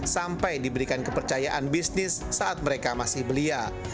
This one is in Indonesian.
sampai diberikan kepercayaan bisnis saat mereka masih belia